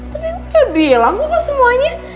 tapi lo udah bilang kok semuanya